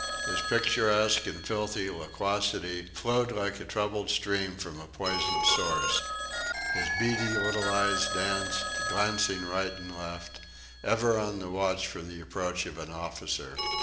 His picturesque and filthy loquacity flowed like a troubled stream from a poisoned source. His beady little eyes danced, glancing right and left, ever on the watch for the approach of an officer.